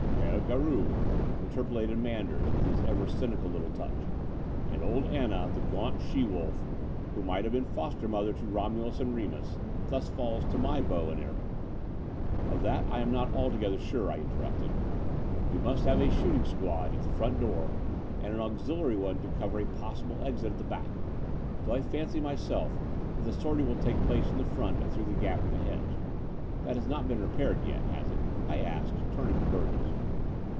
"P6re Garou," interpolated Manders, with his ever cynical little touch. "And old Anna, the gatmt she wolf, who might have been foster mother to Romulus and Remus, thus falls to my bow and arrow?" "Of that I am not altogether sure," I inter rupted. "We must have a shooting squad at the The Dower House 243 front door, and an atixiliary one to cover a possible exit at the back, though I fancy myself that the >sortie will take place from the front and through the gap in the hedge. That has not been repaired yet, has it?" I asked, turning to Burgess.